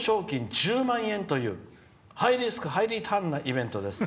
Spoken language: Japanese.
１０万円というハイリスクハイリターンなイベントです。